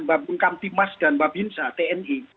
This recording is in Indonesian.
bapak bungkam timas dan bapak binza tni